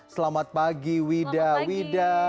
selamat pagi wida wida